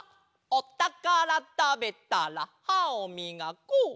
「おたからたべたらはをみがこう！」。